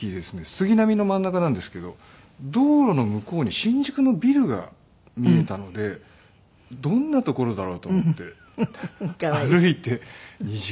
杉並の真ん中なんですけど道路の向こうに新宿のビルが見えたのでどんな所だろうと思って歩いて２時間ぐらいですかね